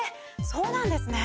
そうなんですね。